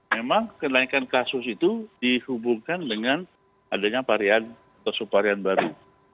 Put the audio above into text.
memang kenaikan kasus itu dihubungkan dengan adanya varian atau subvarian baru